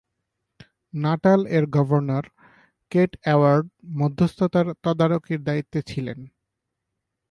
Natal এর governor Keate award মধ্যস্থতার তদারকির দায়িত্বে ছিলেন।